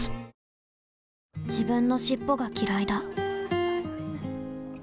自分の尻尾がきらいだ